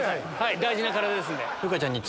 大事な体ですので。